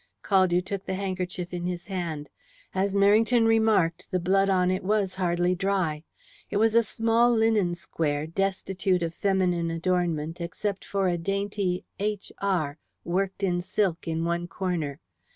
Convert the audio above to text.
Caldew took the handkerchief in his hand. As Merrington remarked, the blood on it was hardly dry. It was a small linen square, destitute of feminine adornment except for a dainty "H R" worked in silk in one corner.